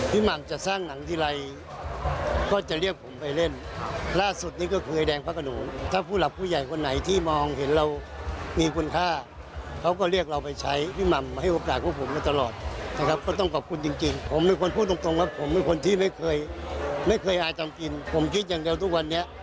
วันละสี่ห้าร้อยข้ากับข้าว